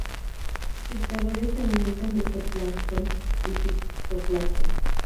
Filtradores, se alimentan de zooplancton y fitoplancton.